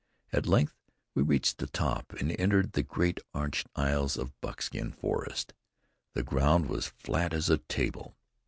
At length we reached the top, and entered the great arched aisles of Buckskin Forest. The ground was flat as a table.